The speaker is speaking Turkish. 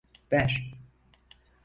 Ver.